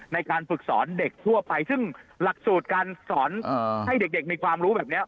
ในการฝึกสอนเด็กทั่วไปซึ่งหลักสูตรการสอนให้เด็กมีความรู้แบบนี้